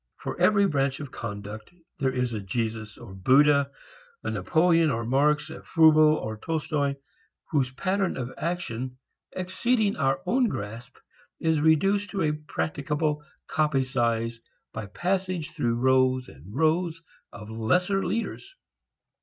For every branch of conduct, there is a Jesus or Buddha, a Napoleon or Marx, a Froebel or Tolstoi, whose pattern of action, exceeding our own grasp, is reduced to a practicable copy size by passage through rows and rows of lesser leaders.